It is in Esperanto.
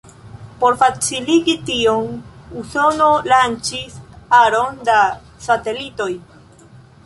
Por faciligi tion, Usono lanĉis aron da satelitoj.